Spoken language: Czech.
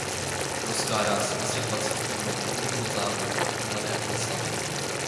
Rozkládá se asi dvacet kilometrů jihozápadně od Mladé Boleslavi.